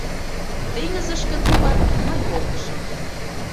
Теҥызышке тугак мый колтышым».